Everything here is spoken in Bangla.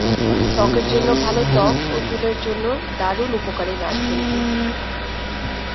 ত্বকের জন্য ভালো ত্বক ও চুলের জন্য দারুণ উপকারী নারকেল দুধ।